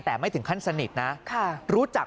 แต่ไม่ถึงขั้นสนิทนะรู้จัก